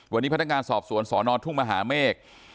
วันนี้พนักงานสอบสวนสนทุ่งมหาเมฆ